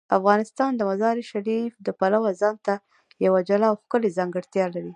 افغانستان د مزارشریف د پلوه ځانته یوه جلا او ښکلې ځانګړتیا لري.